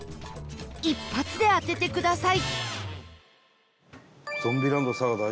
一発で当ててください